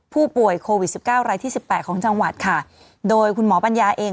ผู้ป่วยโควิดสิบเก้ารายที่สิบแปดของจังหวัดค่ะโดยคุณหมอปัญญาเอง